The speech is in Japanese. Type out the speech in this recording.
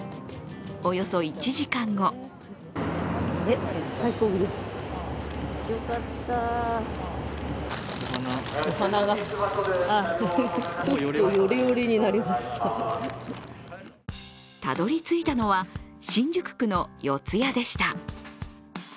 およそ１時間後たどり着いたのは新宿区の四ッ谷でした。